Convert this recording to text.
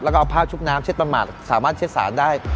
แล้วก็เอาผ้าชุบน้ำเช็ดประมาทสามารถเช็ดสารได้